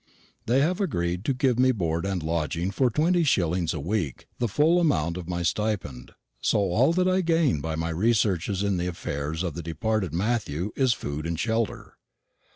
They have agreed to give me board and lodging for twenty shillings a week the full amount of my stipend: so all that I gain by my researches in the affairs of the departed Matthew is food and shelter.